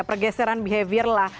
pergeseran behavior lah